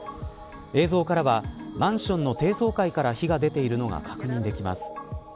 映像からは、マンションの低層階から火が出ているのが確認できます。